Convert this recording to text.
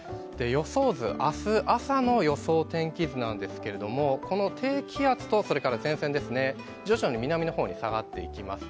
明日朝の予想天気図なんですけれどもこの低気圧と前線、徐々に南の方に下がっていきます。